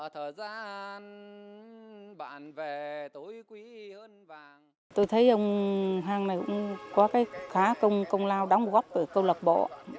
tôi thấy ông hăng này cũng có cái khá công lao đóng góp của cô lạc bộ